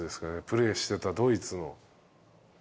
プレーしてたドイツの。